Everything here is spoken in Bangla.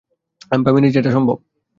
আমি ভাবিনি যে এটা সম্ভব।